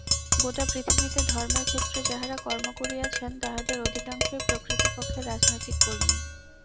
গোটা পৃথিবীতে ধর্মের ক্ষেত্রে যাঁহারা কর্ম করিয়াছেন, তাঁহাদের অধিকাংশই প্রকৃতপক্ষে রাজনৈতিক কর্মী।